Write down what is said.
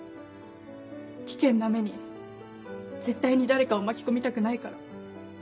「危険な目に絶対に誰かを巻き込みたくないから」。